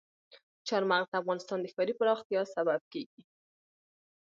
چار مغز د افغانستان د ښاري پراختیا سبب کېږي.